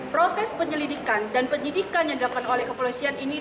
proses penyelidikan dan penyidikan yang dilakukan oleh kepolisian ini